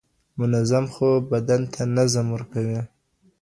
منظم خوب بدن ته نظم ورکوي.